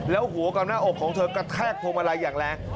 แล้วหัวกับหน้าอกของเธอกระแทกพวงมาลัยอย่างแรง